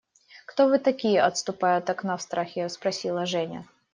Кто вы такие? – отступая от окна, в страхе спросила Женя.